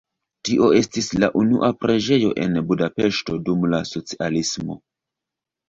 Tio estis la una preĝejo en Budapeŝto dum la socialismo.